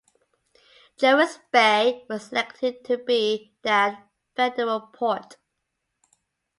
Jervis Bay was selected to be that federal port.